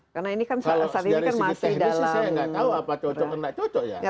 karena ini kan saat ini kan masih dalam